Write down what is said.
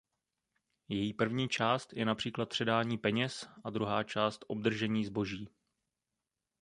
Její první část je například předání peněz a druhá část obdržení zboží.